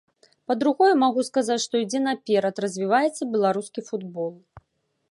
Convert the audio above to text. Па-другое, магу сказаць, што ідзе наперад, развіваецца беларускі футбол.